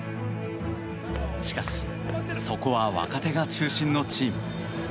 しかし、そこは若手が中心のチーム。